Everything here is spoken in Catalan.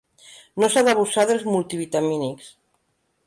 No s'ha d'abusar dels multivitamínics.